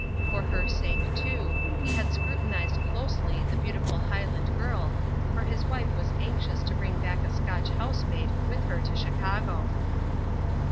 For her sake, too, he had scrutinised closely the beautiful Highland girl, for his wife was anxious to bring back a Scotch housemaid with her to Chicago.